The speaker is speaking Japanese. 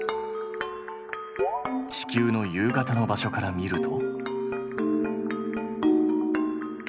地球の夕方の場所から見ると。